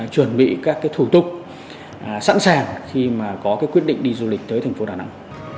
chuẩn bị các cái thủ tục sẵn sàng khi mà có cái quyết định đi du lịch tới thành phố đà nẵng